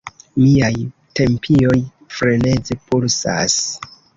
Miaj tempioj freneze pulsas.